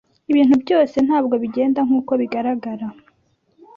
Ibintu byose ntabwo bigenda nkuko bigaragara.